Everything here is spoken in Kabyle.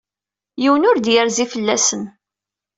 Yiwen ur d-yerzi fell-asen.